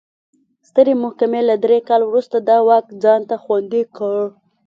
سترې محکمې له درې کال وروسته دا واک ځان ته خوندي کړ.